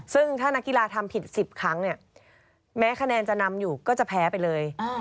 ซึ่งถ้านักกีฬาทำผิด๑๐ครั้งเนี่ยแม้คะแนนจะนำอยู่ก็จะแพ้ไปเลย